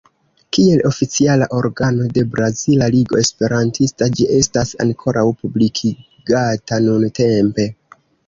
Kiel oficiala organo de Brazila Ligo Esperantista, ĝi estas ankoraŭ publikigata nuntempe.